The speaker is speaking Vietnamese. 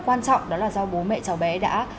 quan trọng đó là do bố mẹ cháu bé đã